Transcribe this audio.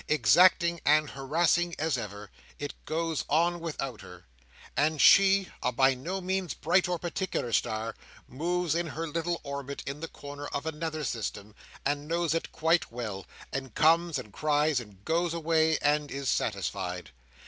Exacting and harassing as ever, it goes on without her; and she, a by no means bright or particular star, moves in her little orbit in the corner of another system, and knows it quite well, and comes, and cries, and goes away, and is satisfied.